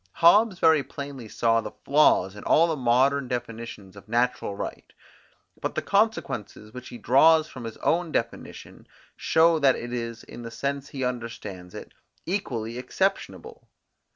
Hobbes very plainly saw the flaws in all the modern definitions of natural right: but the consequences, which he draws from his own definition, show that it is, in the sense he understands it, equally exceptionable.